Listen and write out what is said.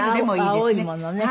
青いものね。